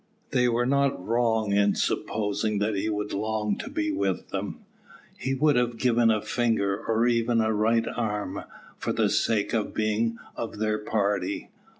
They were not wrong in supposing that he would long to be with them. He would have given a finger, or even a right arm, for the sake of being of their party.